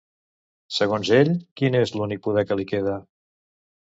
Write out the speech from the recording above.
Segon ell, quin és l'únic poder que li queda?